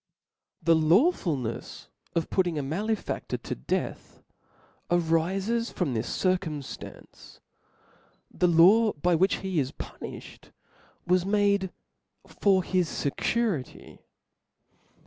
" The lawfulnefs of putting a malefadlor to death, arifes from this circumftance , the la^, by which he is punilhed, was made for his fecuricy.